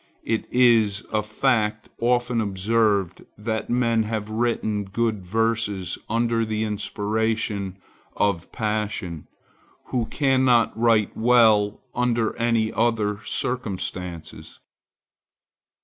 It is a fact often observed, that men have written good verses under the inspiration of passion, who cannot write well under any other circumstances.